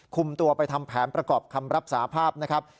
คุมตัวไปทำแผนประกอบคำรับสาภาพนะครับ